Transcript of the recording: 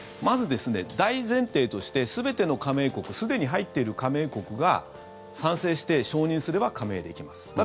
まず、大前提として全ての加盟国すでに入っている加盟国が賛成して、承認すれば加盟できます。